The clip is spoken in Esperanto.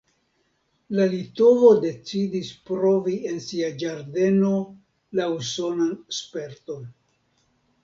La litovo decidis provi en sia ĝardeno la usonan sperton.